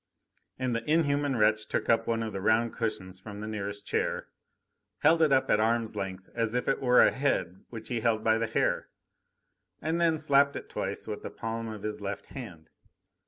And the inhuman wretch took up one of the round cushions from the nearest chair, held it up at arm's length, as if it were a head which he held by the hair, and then slapped it twice with the palm of his left hand.